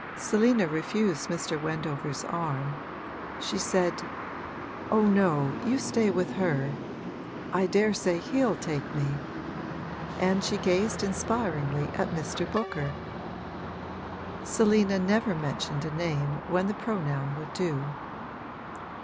Selina refused Mr. Wendover's arm; she said, 'Oh no, you stay with her I daresay he'll take me:' and she gazed inspiringly at Mr. Booker. Selina never mentioned a name when the pronoun would do.